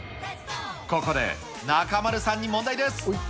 ここで中丸さんに問題です。